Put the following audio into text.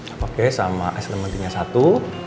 oke sama eslementinya satu